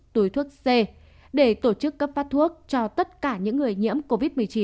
túi thuốc c để tổ chức cấp phát thuốc cho tất cả những người nhiễm covid một mươi chín